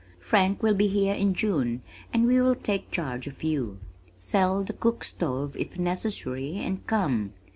"Frank will be here in June and we will take charge of you. Sell the cook stove if necessary and come.